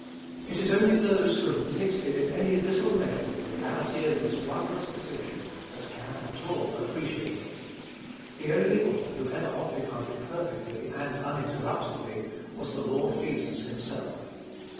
It is only those who have tasted in any little measure the reality of this wondrous position that can at all appreciate it. The only one who ever occupied it perfectly and uninterruptedly was the Lord Jesus himself.